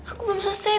aku belum selesai